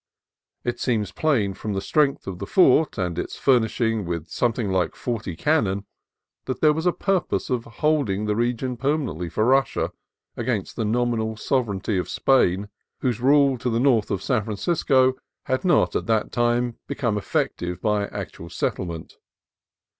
It seems plain, from the strength of the fort, and its furnishing with something like forty cannon, that there was a purpose of holding the re gion permanently for Russia, against the nominal sovereignty of Spain, whose rule to the north of San Francisco had not at that time become effective by actual settlement.